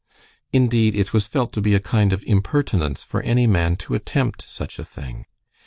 Indeed, it was felt to be a kind of impertinence for any man to attempt such a thing.